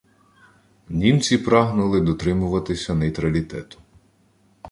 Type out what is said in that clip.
Німці прагнули дотримуватися нейтралітету.